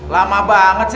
lama banget sih